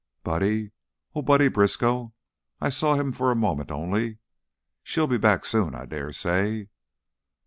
"Buddy? Oh, Buddy Briskow! I saw him for a moment only. She'll be back soon, I dare say?"